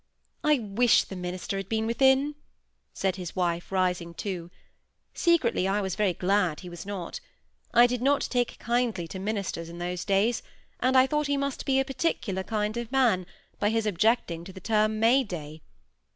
"I wish the minister had been within," said his wife, rising too. Secretly I was very glad he was not. I did not take kindly to ministers in those days, and I thought he must be a particular kind of man, by his objecting to the term May day.